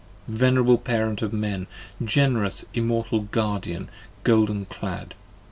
venerable parent of men, ^Generous immortal Guardian golden clad!